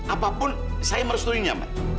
apapun saya merestuinya mat